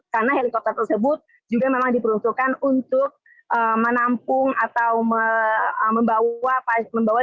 karena helikopter tersebut juga memang diperuntukkan untuk menampung atau membawa